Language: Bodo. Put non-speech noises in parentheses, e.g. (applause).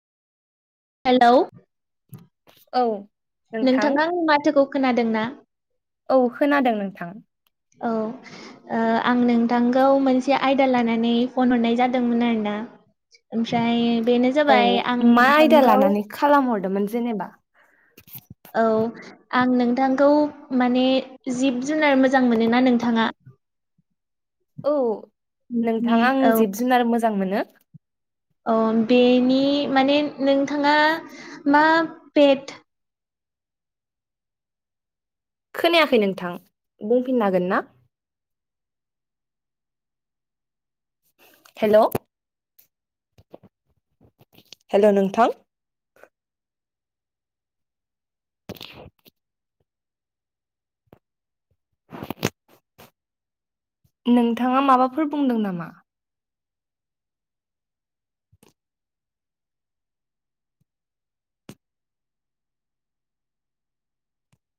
हेल' औ नोंथां नोंथाङा आंनि माथोखौ खोनादोंना? औ खोनादों नोंथां। औ। ओ आं नोंथांखौ मोनसे आयदा लानानै फन हरनाय जादोंमोन आरोना। ओमफ्राय बेनो औ जाबाय आं मा आयदा नोंथांखौ लानानै खालामहरदोंमोन जेनेबा। औ आं नोंथांखौ माने जिब जुनार मोजां मोनो ना नोंथाङा? औ नोंथां आं औ जिब जुनार मोजां मोनो। अ बेनि माने नोंथाङा मा पेट खोनायाखै नोंथां बुंफिननो हागोन ना? हेल' हेल' नोंथां। (inaudible) (inaudible) नोंथाङा माबाफोर बुंदों नामा?